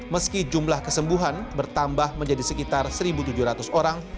meski jumlah kesembuhan bertambah menjadi sekitar satu tujuh ratus orang